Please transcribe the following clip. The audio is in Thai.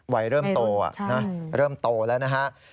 วัยเริ่มโตเริ่มโตแล้วนะฮะ